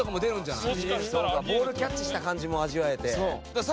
そうかボールキャッチした感じも味わえて。